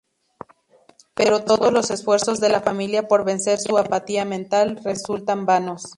Pero todos los esfuerzos de la familia por vencer su apatía mental resultan vanos.